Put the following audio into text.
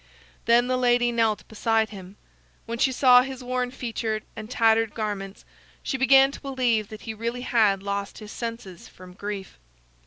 Then the lady knelt beside him. When she saw his worn features and his tattered garments, she began to believe that he really had lost his senses from grief.